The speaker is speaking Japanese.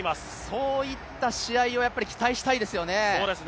そういった試合を期待したいですよね。